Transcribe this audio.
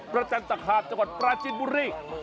จันตคามจังหวัดปราจินบุรี